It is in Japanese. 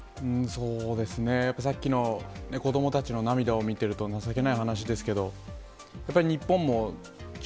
そうですね、さっきの子どもたちの涙を見てると、情けない話ですけれども、やっぱり日本も中